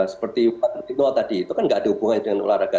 seperti pak tertiko tadi itu kan tidak ada hubungannya dengan olahraga